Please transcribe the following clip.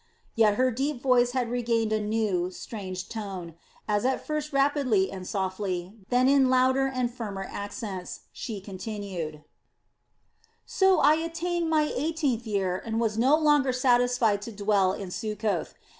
Yet her deep voice had gained a new, strange tone as, at first rapidly and softly, then in louder and firmer accents, she continued: "So I attained my eighteenth year and was no longer satisfied to dwell in Succoth.